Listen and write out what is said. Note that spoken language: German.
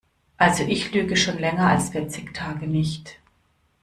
Also ich lüge schon länger als vierzig Tage nicht.